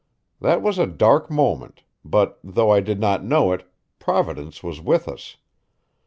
That was a dark moment, but though I did not know it, Providence was with us.